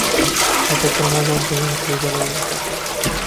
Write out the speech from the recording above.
সাথে ক্রমবর্ধমান শৈবালের লেখাটাও।